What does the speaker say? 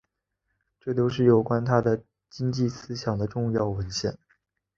这都是有关他的经济思想的重要文献。